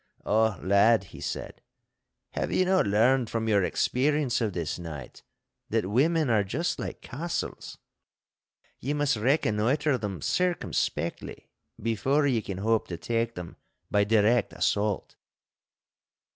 'Ah, lad,' he said, 'have ye not learned from your experience of this night that women are just like castles? Ye must reconnoitre them circumspectly before ye can hope to take them by direct assault.